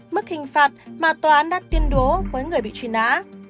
mức hình phạt mà tòa án đã tuyên đố với người bị trùy ná